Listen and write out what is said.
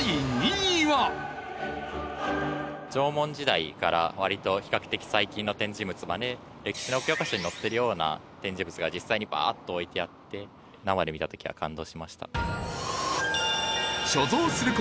縄文時代から割と比較的最近の展示物まで歴史の教科書に載っているような展示物が実際にバーッと置いてあって生で見た時は感動しました。